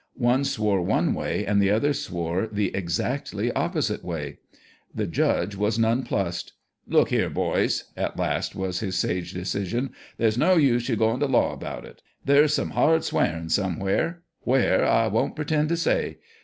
One swore one way, and the other swore the exactly opposite way. The "judge" was nonplussed. "Look here, boys," at last was his sage decision, "there's no use you going to law about it. There's some hard swearing somewhere ; where I won't pretend to say.